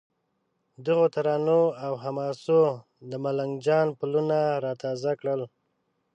دغو ترانو او حماسو د ملنګ جان پلونه را تازه کړل.